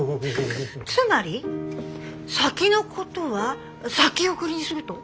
つまり先のことは先送りにすると？